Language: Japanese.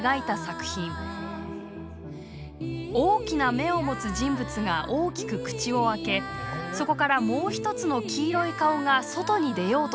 大きな目を持つ人物が大きく口を開けそこからもう一つの黄色い顔が外に出ようとしています。